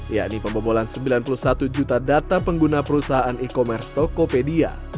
yakni pembobolan sembilan puluh satu juta data pengguna perusahaan e commerce tokopedia